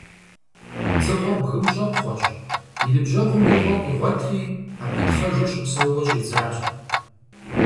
Дзыгъуэр бгым щӀэпхъуэщ, и ныбжьэгъум и гъуэр къигъуэтри, абы тхъэжу щыпсэууэ щӀидзащ.